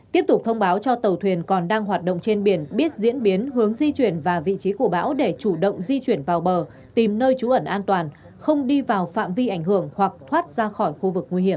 tiếp tục thông báo cho tàu thuyền còn đang hoạt động trên biển biết diễn biến hướng di chuyển và vị trí của bão để chủ động di chuyển vào bờ tìm nơi trú ẩn an toàn không đi vào phạm vi ảnh hưởng hoặc thoát ra khỏi khu vực nguy hiểm